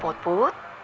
penuh opot put